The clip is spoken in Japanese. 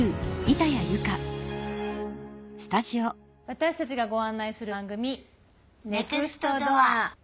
私たちがご案内する番組「ネクストドア」。